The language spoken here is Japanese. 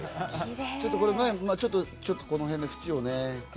ちょっと、この辺の縁をね。